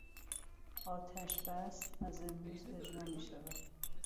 آتش بس از امروز اجرا میشود.